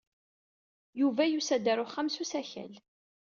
Yuba yusa-d ɣer uxxam s usakal.